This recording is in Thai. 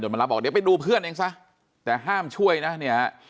มารับบอกเดี๋ยวไปดูเพื่อนเองซะแต่ห้ามช่วยนะเนี่ย